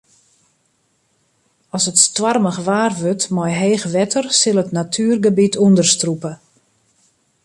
As it stoarmich waar wurdt mei heech wetter sil it natuergebiet ûnderstrûpe.